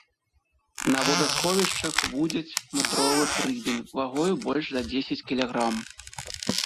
На водасховішчах вудзяць метровых рыбін вагою больш за дзесяць кілаграм.